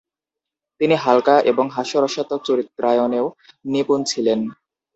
তিনি হালকা এবং হাস্যরসাত্মক চরিত্রায়নেও নিপুন ছিলেন।